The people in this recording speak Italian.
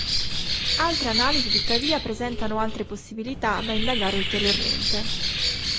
Altre analisi tuttavia presentano altre possibilità da indagare ulteriormente.